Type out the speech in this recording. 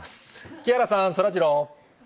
木原さん、そらジロー。